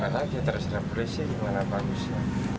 karena dia terserah polisi gimana bagusnya